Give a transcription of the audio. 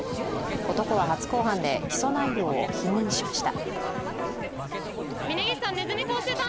男は初公判で起訴内容を否認しました。